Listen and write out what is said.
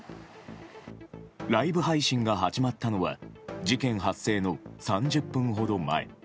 ライブ配信が始まったのは事件発生の３０分ほど前。